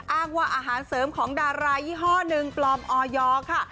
อ้างว่าอาหารเสริมของดารายี่ห้อหนึ่งปลอมออยค่ะ